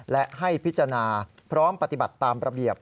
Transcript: และให้พิจารณาพร้อมปฏิบัติตามระเบียบ